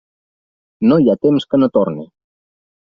No hi ha temps que no torne.